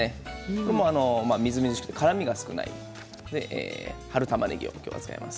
これも、みずみずしくて辛みが少ない春たまねぎを今日は使います。